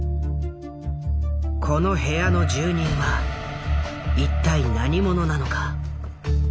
この部屋の住人は一体何者なのか？